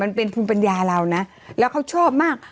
มันเป็นภูมิปัญญาเรานะแล้วเขาชอบมาก